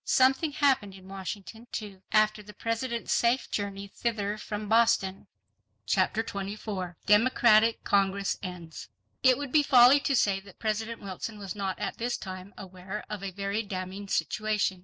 Something happened in Washington, too, after the President's safe journey thither from Boston. Chapter 24 Democratic Congress Ends It would be folly to say that President Wilson was not at this time aware of a very damning situation.